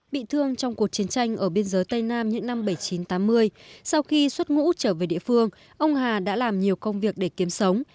bị thương trong cuộc chiến tranh ở biên giới tây nam những năm một nghìn chín trăm tám mươi sau khi xuất ngũ trở về địa phương ông hà đã làm nhiều công việc để kiếm sống